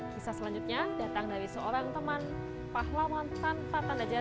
kisah selanjutnya datang dari seorang teman pahlawan tanpa tanda jasa